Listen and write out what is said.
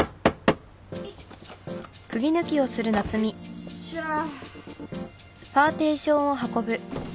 よっしゃあ！